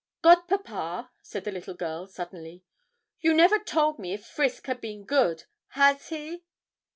'Godpapa,' said the little girl, suddenly, 'you never told me if Frisk had been good. Has he?'